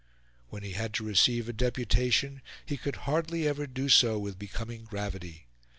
When he had to receive a deputation, he could hardly ever do so with becoming gravity.